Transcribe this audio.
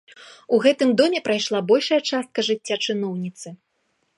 У гэтым доме прайшла большая частка жыцця чыноўніцы.